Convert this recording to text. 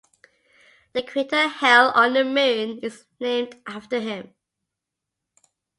The crater Hell on the Moon is named after him.